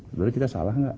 sebenarnya kita salah nggak